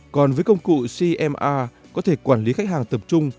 còn với công cụ cma có thể quản lý khách hàng tập trung